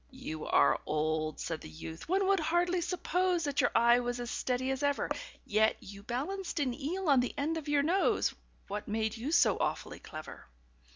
"You are old," said the youth, "one would hardly suppose That your eye was as steady as ever; Yet you balanced an eel on the end of your nose What made you so awfully clever?"